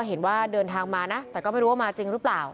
เห็นว่าเดินทางมานะต้องมาจริงหรือเปล่า